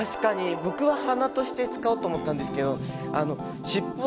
僕は鼻として使おうと思ったんですけど尻尾として。